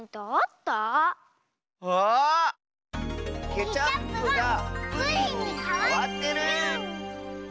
ケチャップがプリンにかわってる！ウォウ！